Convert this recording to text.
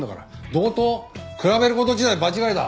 同等？比べる事自体間違いだ。